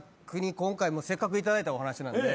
今回せっかく頂いたお話なんで。